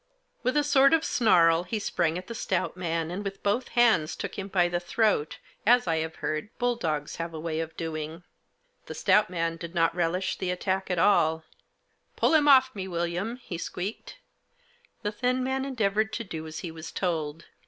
With a sort of snarl he sprang at the stout man, and with both hands took him by the throat, as, I have heard, bulldogs 2 Digitized by la THE JOSS. have a way of doing. The stout man did not relish the attack at all. w Pull him off me, William," he squeaked. The thin man endeavoured to do as he was told.